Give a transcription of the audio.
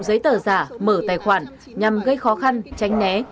giấy tờ giả mở tài khoản nhằm gây khó khăn tránh né